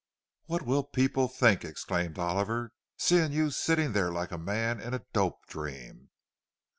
"What will people think," exclaimed Oliver, "seeing you sitting there like a man in a dope dream?"